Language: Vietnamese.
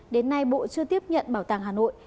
đến nay bộ chưa tiếp nhận bảo tàng hà nội